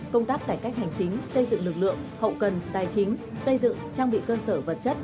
công tác cải cách hành chính xây dựng lực lượng hậu cần tài chính xây dựng trang bị cơ sở vật chất